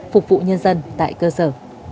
phục vụ nhân dân tại cơ sở